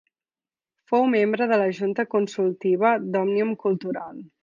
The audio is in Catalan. Fou membre de la Junta Consultiva d'Òmnium Cultural.